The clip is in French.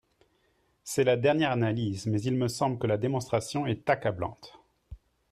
C’est la dernière analyse, mais il me semble que la démonstration est accablante.